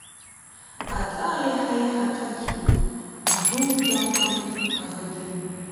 Аҵаа иаҳа-иаҳа аҽарцәгьоит, Джәылоит даапкны ҳаӷагьы.